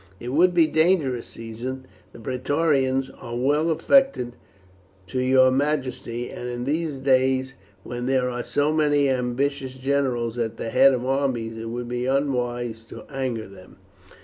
"It would be dangerous, Caesar; the praetorians are well affected to your majesty, and in these days when there are so many ambitious generals at the head of armies it would be unwise to anger them."